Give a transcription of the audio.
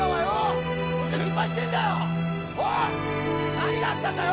何があったんだよ！？